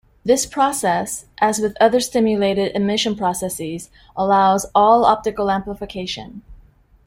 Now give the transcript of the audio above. This process, as with other stimulated emission processes, allows all-optical amplification.